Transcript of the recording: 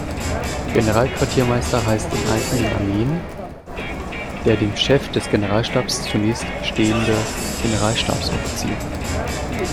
Generalquartiermeister heißt in einzelnen Armeen der dem Chef des Generalstabs zunächst stehende Generalstabsoffizier.